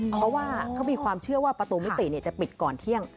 เพราะว่าเขามีความเชื่อว่าประตูมิติจะปิดก่อนเที่ยง